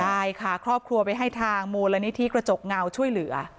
ใช่ค่ะครอบครัวไปให้ทางมูลนิธิกระจกเงาช่วยเหลือ